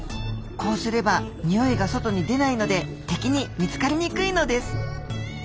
こうすれば匂いが外に出ないので敵に見つかりにくいのです。